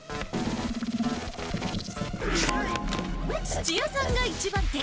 土屋さんが１番手。